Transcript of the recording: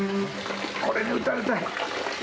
これに打たれたい。